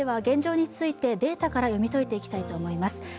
現状についてデータから読み解いていきたいと思います。